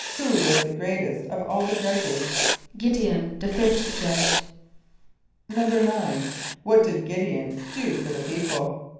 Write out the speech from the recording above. = Who was the greatest of all the judges? =[=G][)i]d´e on, the fifth judge.= =9.= What did [=G][)i]d´e on do for the people?